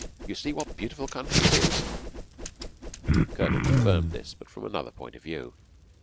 You see what a beautiful country it is." The Colonel confirmed this, but from another point of view.